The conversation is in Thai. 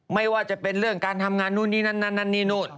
ไม่ว่าจะเป็นเรื่องการทำงานนู่นนี่นั่นนั่นนี่นู่น